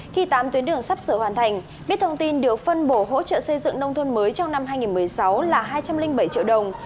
khi tám tuyến đường sắp sửa hoàn thành biết thông tin được phân bổ hỗ trợ xây dựng nông thôn mới trong năm hai nghìn một mươi sáu là hai trăm linh bảy triệu đồng